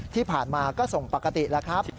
ที่ผ่านมาก็ส่งปกติแล้วครับ